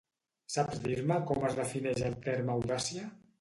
Saps dir-me com es defineix el terme audàcia?